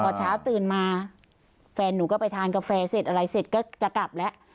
พอเช้าตื่นมาแฟนหนูก็ไปทานกาแฟเสร็จอะไรเสร็จก็จะกลับแล้ว